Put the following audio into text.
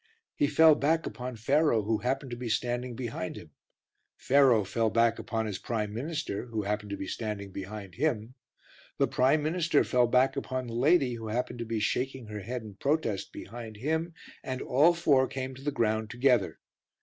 He fell back upon Pharaoh who happened to be standing behind him; Pharaoh fell back upon his prime minister who happened to be standing behind him; the prime minister fell back upon the lady who happened to be shaking her head in protest behind him, and all four came to the ground together.